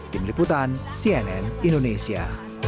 tim liputan cnn indonesia